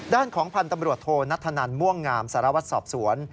ด้านของพันธ์ตำรวจโทนัทธนันม่วงงามสารวัตรสอบสวน